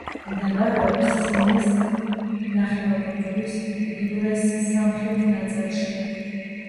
მდებარეობს სინის ნახევარკუნძულის უკიდურეს სამხრეთ ნაწილში.